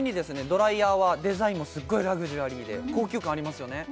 ドライヤーはデザインもすっごいラグジュアリーで高級感ありますよね